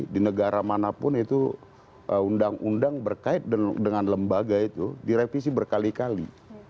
di negara manapun itu undang undang berkait dengan lembaga itu direvisi berkali kali